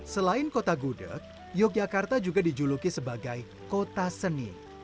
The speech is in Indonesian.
selain kota gudeg yogyakarta juga dijuluki sebagai kota seni